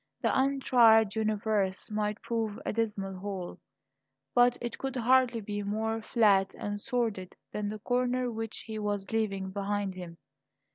The untried universe might prove a dismal hole, but it could hardly be more flat and sordid than the corner which he was leaving behind him.